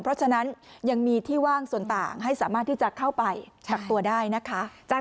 เพราะฉะนั้นยังมีที่ว่างส่วนต่างให้สามารถที่จะเข้าไปกักตัวได้นะคะ